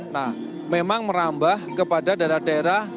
nah memang merambah kepada daerah daerah